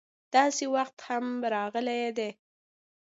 داسې وخت هم راغلی دی.